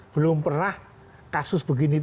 belum pernah kasus begini